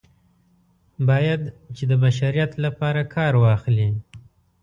باید چې د بشریت لپاره کار واخلي.